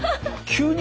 急に。